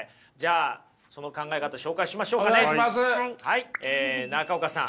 はいえ中岡さん。